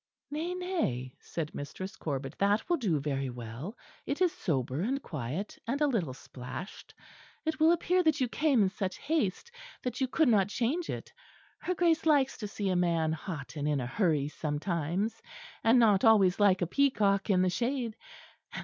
"Nay, nay," said Mistress Corbet, "that will do very well; it is sober and quiet, and a little splashed: it will appear that you came in such haste that you could not change it. Her Grace likes to see a man hot and in a hurry sometimes; and not always like a peacock in the shade.